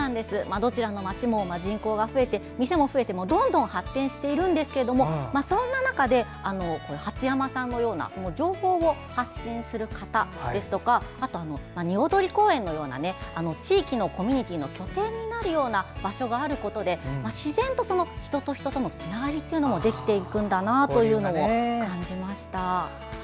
どちらの街も人口が増えて店も増えてどんどん発展しているんですがそんな中で、初山さんのような情報を発信する方ですとかにおどり公園のような地域のコミュニティーの拠点になる場所があることで自然と人と人のつながりができていくんだなと感じました。